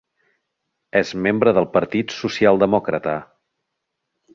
És membre del Partit Socialdemòcrata.